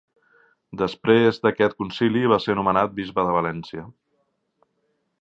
Després d'aquest concili va ser nomenat bisbe de València.